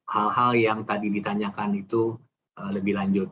hal hal yang tadi ditanyakan itu lebih lanjut